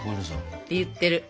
って言ってる。